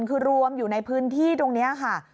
คือรวมอยู่ในพื้นที่ตรงนี้ค่ะ